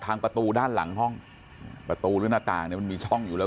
ประตูด้านหลังห้องประตูหรือหน้าต่างเนี่ยมันมีช่องอยู่แล้ว